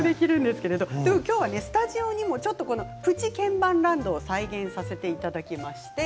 今日はスタジオにもプチ鍵盤ランドを再現させていただきました。